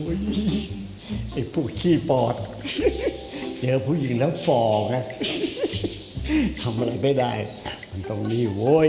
ไอ้พูดขี้ปอดเจอผู้หญิงแล้วฝ่อไงทำอะไรไม่ได้มันตรงนี้โว้ย